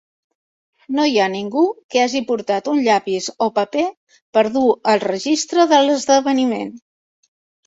No hi ha ningú que hagi portat un llapis o paper per dur el registre de l'esdeveniment.